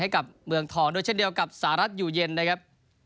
ให้กับเมืองทองด้วยเช่นเดียวกับสหรัฐอยู่เย็นนะครับ